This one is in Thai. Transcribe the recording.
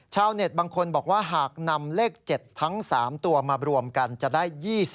ชาวเน็ตบางคนบอกว่าหากนำเลข๗ทั้ง๓ตัวมารวมกันจะได้๒๐